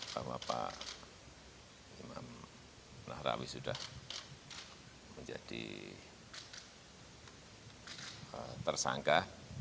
bahwa pak imam nahrawi sudah menjadi tersangka